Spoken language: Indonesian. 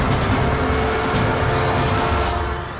beda pasti mungkin lucy tapi lah